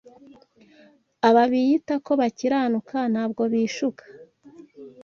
Aba biyita ko bakiranuka ntabwo bishuka